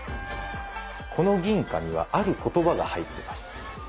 この銀貨にはある言葉が入っています。